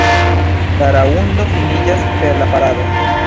La raŭndo finiĝas per la parado.